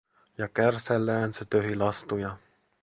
Ja kärsällään se töhi lastuja.